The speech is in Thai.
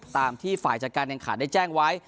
ตามที่ฝ่ายจัดการแข่งขันได้แจ้งไว้